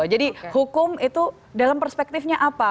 jadi hukum itu dalam perspektifnya apa